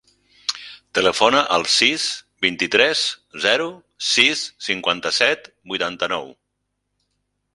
Telefona al sis, vint-i-tres, zero, sis, cinquanta-set, vuitanta-nou.